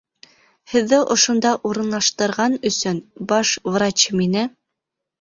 Һеҙҙе ошонда урынлаштырған өсөн баш врач мине...